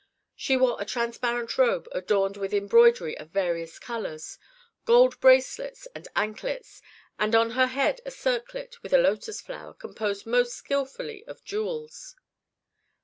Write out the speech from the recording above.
She wore a transparent robe adorned with embroidery of various colors, gold bracelets and anklets, and on her head a circlet with a lotus flower composed most skilfully of jewels.